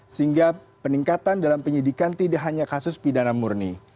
sehingga peningkatan dalam penyidikan tidak hanya kasus pidana murni